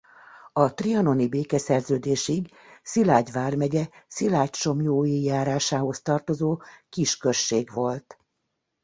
A trianoni békeszerződésig Szilágy vármegye Szilágysomlyói járásához tartozó kisközség volt.